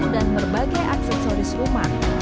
dan berbagai aksesoris rumah